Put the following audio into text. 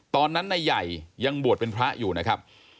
ตอนนั้นนายใหญ่ยังบวชเป็นพระอยู่นะครับ